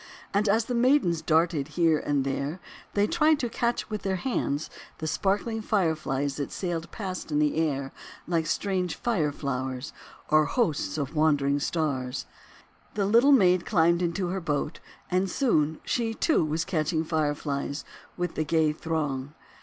And as the maidens darted here and there, they tried to catch with their hands the sparkling Fireflies that sailed past in the air like strange Fire Flowers or hosts of wandering Stars. The Little Maid climbed into her boat, and soon she, too, was catching Fireflies with the gay throng.